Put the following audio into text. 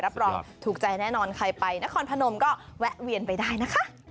รองถูกใจแน่นอนใครไปนครพนมก็แวะเวียนไปได้นะคะ